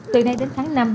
từ nay đến tháng năm